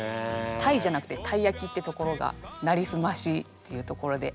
たいじゃなくてたいやきってところが「なりすまし」っていうところで。